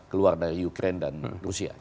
keluar dari ukraine dan rusia